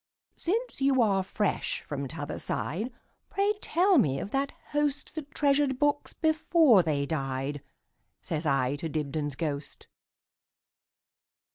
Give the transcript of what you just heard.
"Since you are fresh from t'other side, Pray tell me of that hostThat treasured books before they died,"Says I to Dibdin's ghost.